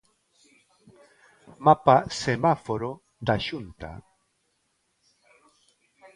Mapa 'semáforo' da Xunta.